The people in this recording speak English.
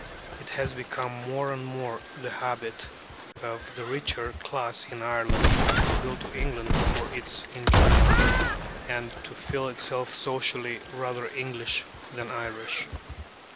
It has become more and more the habit of the richer class in Ireland to go to England for its enjoyment, and to feel itself socially rather English than Irish.